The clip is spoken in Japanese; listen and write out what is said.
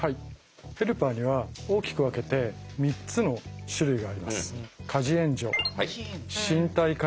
ヘルパーには大きく分けて３つの種類があります。